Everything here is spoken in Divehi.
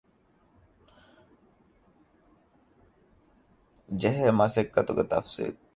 ންޖެހޭ މަސައްކަތުގެ ތަފްޞީލް